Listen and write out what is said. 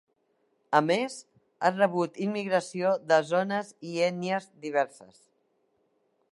A més, ha rebut immigració de zones i ètnies diverses.